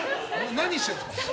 何してんですか。